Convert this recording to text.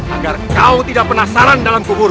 agar kau tidak penasaran dalam kubur